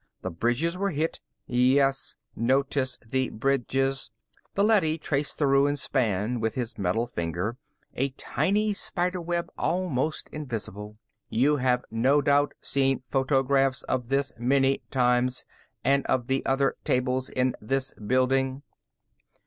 The bridges were hit " "Yes, notice the bridges." The leady traced the ruined span with his metal finger, a tiny spider web, almost invisible. "You have no doubt seen photographs of this many times, and of the other tables in this building.